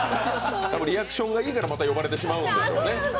リアクションがいいからまた呼ばれてしまうんでしょうね。